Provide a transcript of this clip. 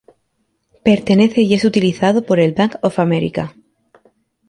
Pertenece y es utilizado por el Bank of America.